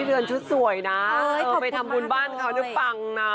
เดือนชุดสวยนะไปทำบุญบ้านเขาได้ฟังนะ